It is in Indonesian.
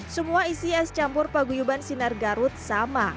semua isi es campur paguyuban sinar garut sama